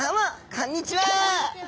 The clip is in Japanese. こんにちは。